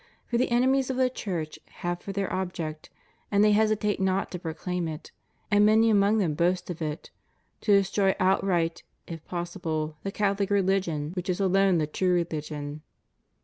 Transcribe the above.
For the enemies of the Church have for their object — and they hesitate not to proclaim it, and many among them boast of it — to destroy outright, if possible, the CathoHc religion, which is alone the true religion.